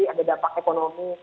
ada dampak ekonomi